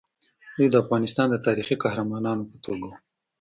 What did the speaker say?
دوی د افغانستان د تاریخي قهرمانانو په توګه وو.